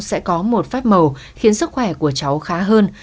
sẽ có một pháp mầu khiến sức khỏe của cháu khá hơn